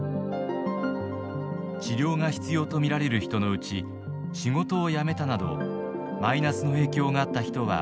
治療が必要と見られる人のうち仕事を辞めたなどマイナスの影響があった人は１５．３％。